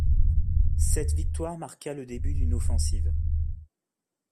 Cette victoire marqua le début d'une offensive.